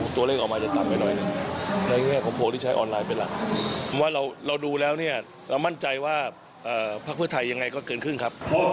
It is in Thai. ทำไมไม่ลดไปเลยท่านพี่น้องค่ะ